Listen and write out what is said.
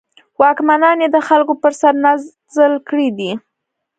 واکمنان یې د خلکو پر سر رانازل کړي دي.